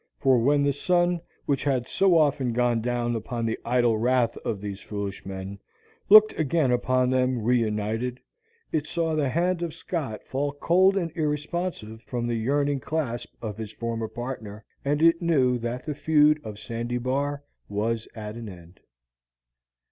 For when the sun, which had so often gone down upon the idle wrath of these foolish men, looked again upon them reunited, it saw the hand of Scott fall cold and irresponsive from the yearning clasp of his former partner, and it knew that the feud of Sandy Bar was at an end.